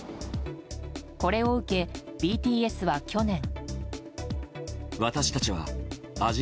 これを受け、ＢＴＳは去年。